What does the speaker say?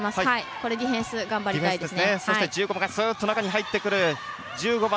これでディフェンス頑張りたいです。